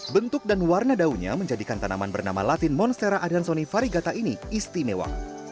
bentuk dan warna daunnya menjadikan tanaman bernama latin monstera ariansoni varigata ini istimewa